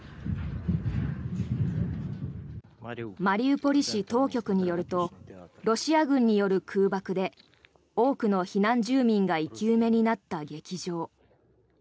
マリウポリ市当局によるとロシア軍による空爆で多くの避難住民が生き埋めになった劇場。